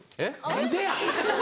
何でや！